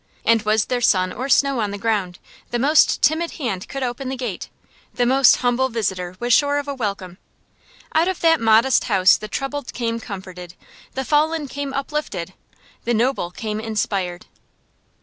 And was there sun or snow on the ground, the most timid hand could open the gate, the most humble visitor was sure of a welcome. Out of that modest house the troubled came comforted, the fallen came uplifted, the noble came inspired.